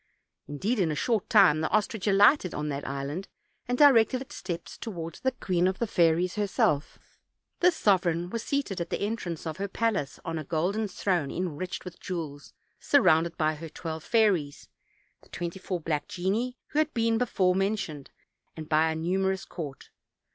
Indeed, in a short time the ostrich alighted on that island, and directed its steps toward the queen of the fairies herself. This sovereign was seated at the en trance of her palace on a golden throne enriched with 270 OLD. OLD FAIRY TALES. jewels, surrounded by her twelve fairies, the twenty four black genii who have been before mentioned, and by a numerous court.